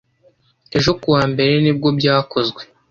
Ejo kuwa mbere nibwo byakozwe